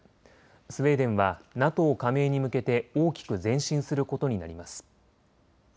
スウェーデンはＮＡＴＯ加盟に向けて大きく前進することになります。